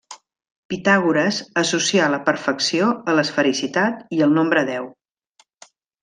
Pitàgores associà la perfecció a l'esfericitat i al nombre deu.